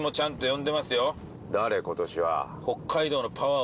誰今年は？